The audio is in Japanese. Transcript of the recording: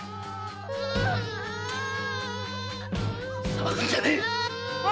騒ぐんじゃねえ！